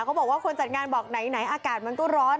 เขาบอกว่าคนจัดงานบอกไหนอากาศมันก็ร้อน